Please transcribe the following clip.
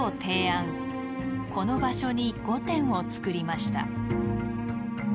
この場所に御殿を造りました。